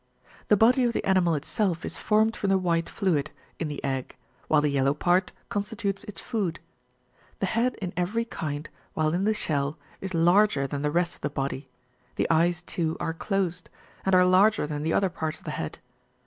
The body of the animal itself is formed from the white fluid ^" in the egg ; while the yellow part constitutes its food. The head in every kind, while in the shell, is larger than the rest of the body ; the eyes, too, are closed, and are larger than the other parts of the head.